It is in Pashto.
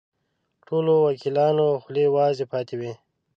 ټولو وکیلانو خولې وازې پاتې وې.